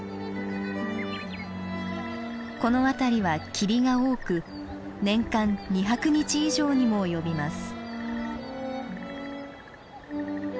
この辺りは霧が多く年間２００日以上にも及びます。